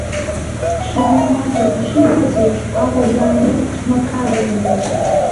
Шеварднаӡе ишиҳәац еиԥш, Аҟәа дааны, дмақарит, рҳәеит.